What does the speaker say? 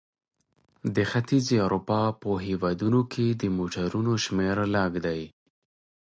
د ختیځې اروپا په هېوادونو کې د موټرونو شمیر لږ دی.